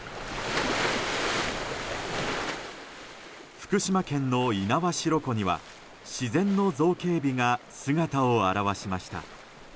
福島県の猪苗代湖には自然の造形美が姿を現しました。